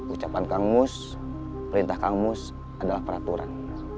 ucapan kang mus perintah kang mus adalah peraturan